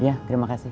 iya terima kasih